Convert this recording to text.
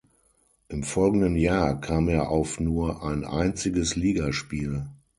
Im folgenden Jahr kam er auf nur ein einziges Ligaspiel.